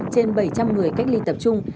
trên bảy trăm linh người cách ly tập trung